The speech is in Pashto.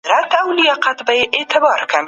سهار وختي پاڅېدل عادت وګرځوئ.